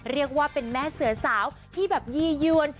เรียกว่าเป็นแม่เสือสาวที่แบบยี่ยวน